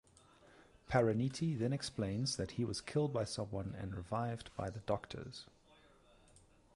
Parineeti then explains that he was killed by someone and revived by the doctors.